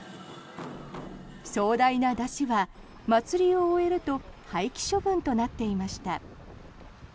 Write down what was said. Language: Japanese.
壮大な山車は、祭りを終えると廃棄処分となっていました。